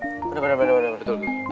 udah udah udah